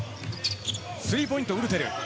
スリーポイントのウルテル。